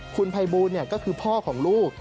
คุณภัยบูลก็คือพ่อของลูก